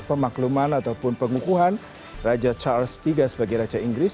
pemakluman ataupun pengukuhan raja charles iii sebagai raja inggris